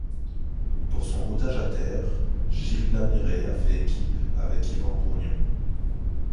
Pour son routage à terre, Gilles Lamiré a fait équipe avec Yvan Bourgnon.